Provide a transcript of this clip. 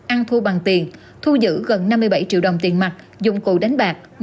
ăn thu bằng tiền thu giữ gần năm mươi bảy triệu đồng tiền mặt dụng cụ đánh bạc